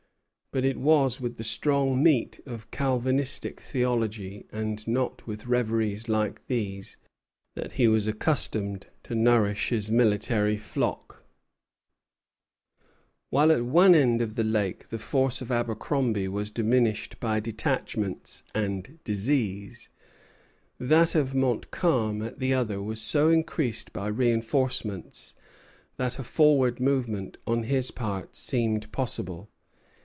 But it was with the strong meat of Calvinistic theology, and not with reveries like these, that he was accustomed to nourish his military flock. Colonel William Williams to Colonel Israel Williams, 4 Sept. 1758. While at one end of the lake the force of Abercromby was diminished by detachments and disease, that of Montcalm at the other was so increased by reinforcements that a forward movement on his part seemed possible.